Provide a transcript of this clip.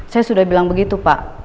saya sudah bilang begitu pak